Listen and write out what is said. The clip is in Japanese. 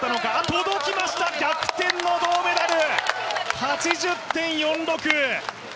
届きました、逆転の銅メダル８０．４６